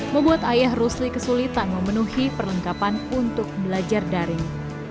membuat ayah rusli kesulitan memenuhi perlengkapan untuk belajar daring